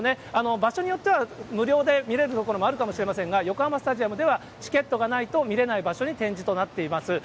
場所によっては、無料で見れる所もあるかもしれませんが、横浜スタジアムでは、チケットがないと見れない場所に展示となっています。